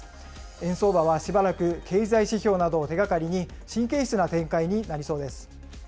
円相場はしばらく経済指標などを手がかりに、神経質な展開になりそうです。